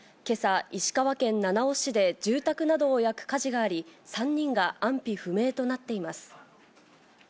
けさ、石川県七尾市で住宅などを焼く火事があり、３人が安否不明となっています。